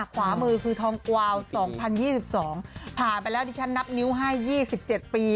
ขวามือคือทองกวาว๒๐๒๒ผ่านไปแล้วดิฉันนับนิ้วให้๒๗ปี